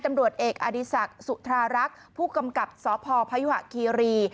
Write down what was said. ตำรวจเอกอดีศักดิ์สุธารักษ์ผู้กำกับสพพยุหะคีรี